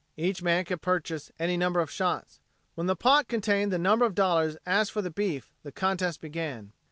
Each man could purchase any number of shots. When the pot contained the number of dollars asked for the beef the contest began.